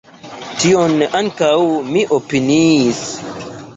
Tion ankaŭ mi opiniis.